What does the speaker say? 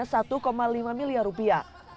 anggaran untuk kampanye diberi lima miliar rupiah